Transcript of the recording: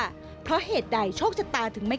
ทำไมเราต้องเป็นแบบเสียเงินอะไรขนาดนี้เวรกรรมอะไรนักหนา